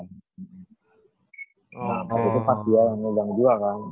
nah itu pas dia yang megang juga kan